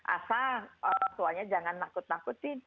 asal orang tuanya jangan nakut nakutin